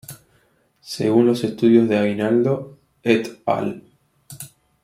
Según los estudios de Aguinaldo "et al.